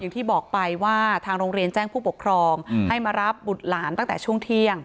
อย่างที่บอกไปว่าทางโรงเรียนแจ้งผู้ปกครองให้มารับบุตรหลานตั้งแต่ช่วงเที่ยง